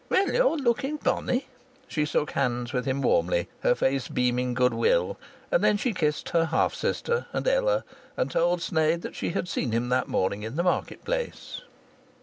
Well, you're looking bonny." She shook hands with him warmly, her face beaming goodwill, and then she kissed her half sister and Ella, and told Sneyd that she had seen him that morning in the market place.